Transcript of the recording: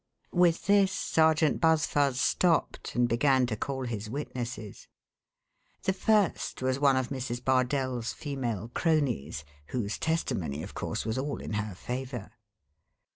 With this Sergeant Buzfuz stopped, and began to call his witnesses. The first was one of Mrs. Bardell's female cronies, whose testimony of course, was all in her favor.